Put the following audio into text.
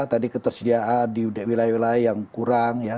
tadi ketersediaan di wilayah wilayah yang kurang ya